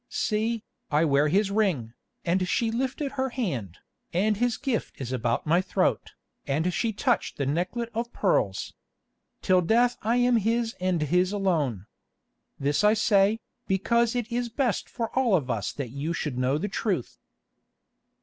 See, I wear his ring," and she lifted her hand, "and his gift is about my throat," and she touched the necklet of pearls. "Till death I am his and his alone. This I say, because it is best for all of us that you should know the truth."